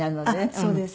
そうです。